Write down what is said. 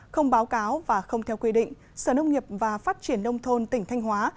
không báo cáo và không theo quy định sở nông nghiệp và phát triển nông thôn tỉnh thanh hóa